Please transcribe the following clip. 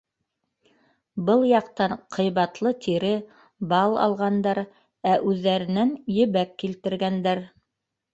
Был яҡтан ҡыйбатлы тире, бал алғандар, ә үҙҙәренән ебәк килтергәндәр.